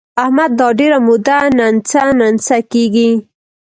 احمد دا ډېره موده ننڅه ننڅه کېږي.